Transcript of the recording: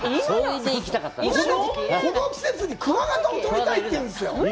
この季節にクワガタをとりたいと言うんですよ。